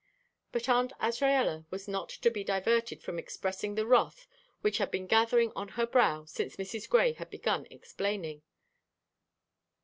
But Aunt Azraella was not to be diverted from expressing the wrath which had been gathering on her brow since Mrs. Grey had begun explaining.